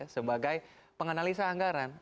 sebagai penganalisa anggaran